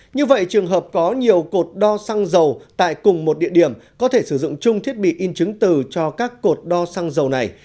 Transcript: như vậy trường hợp có nhiều cột đo xăng dầu tại cùng một địa điểm có thể sử dụng chung thiết bị in chứng từ cho các cột đo xăng dầu này